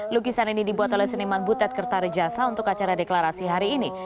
lukisan ini dibuat oleh seniman butet kertarejasa untuk acara deklarasi hari ini